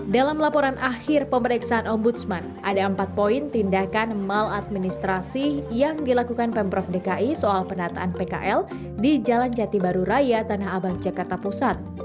dalam laporan akhir pemeriksaan ombudsman ada empat poin tindakan maladministrasi yang dilakukan pemprov dki soal penataan pkl di jalan jati baru raya tanah abang jakarta pusat